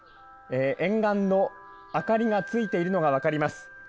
沿岸の明かりがついているのが分かります。